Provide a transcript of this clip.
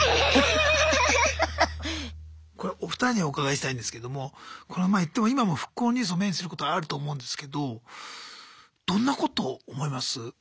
これお二人にお伺いしたいんですけども今も復興のニュースを目にすることあると思うんですけどどんなこと思います？